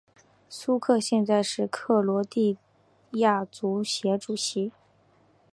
苏克现在是克罗地亚足协主席。